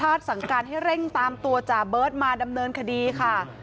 สั่งการให้เร่งตามตัวจ่าเบิร์ตมาดำเนินคดีค่ะ